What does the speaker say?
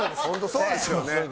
本当そうですよね。